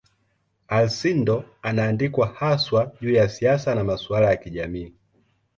Alcindor anaandikwa haswa juu ya siasa na masuala ya kijamii.